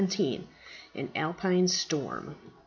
AN ALPINE STORM.